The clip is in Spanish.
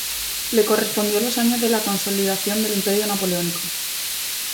Le correspondió los años de la consolidación del Imperio napoleónico.